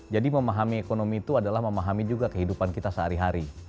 jadi memahami ekonomi itu adalah memahami juga kehidupan kita sehari hari